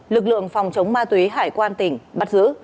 lực lượng phòng chống ma túy hải quan tỉnh bắt giữ